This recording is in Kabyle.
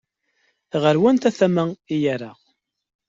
Ɣer wanta tama i yerra?